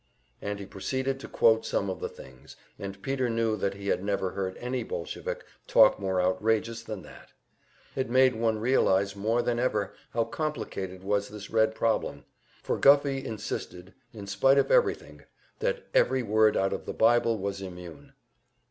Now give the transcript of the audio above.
And he proceeded to quote some of the things, and Peter knew that he had never heard any Bolshevik talk more outrageous than that. It made one realize more than ever how complicated was this Red problem; for Guffey insisted, in spite of everything, that every word out of the Bible was immune.